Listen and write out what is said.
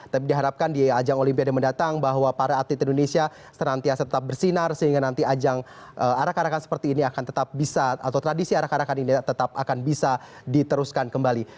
tapi diharapkan di ajang olimpiade mendatang bahwa para atlet indonesia senantiasa tetap bersinar sehingga nanti ajang arak arakan seperti ini akan tetap bisa atau tradisi arah arahkan ini tetap akan bisa diteruskan kembali